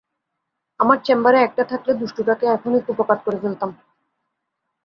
আমার চেম্বারে একটা থাকলে, দুষ্টুটাকে এখন-ই কুপোকাত করে ফেলতাম।